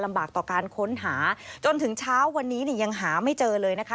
ต่อการค้นหาจนถึงเช้าวันนี้เนี่ยยังหาไม่เจอเลยนะคะ